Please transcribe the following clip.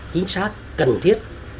chính xác cần thiết